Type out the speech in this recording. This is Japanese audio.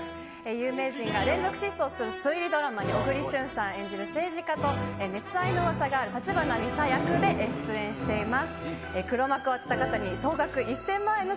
有名人が連続失踪する推理ドラマに、小栗旬さん演じる政治家と熱愛のうわさがある、橘美沙役で出演しています。